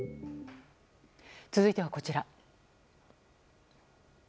続いては、こちら。